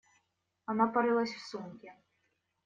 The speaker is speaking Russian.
Она порылась в сумке.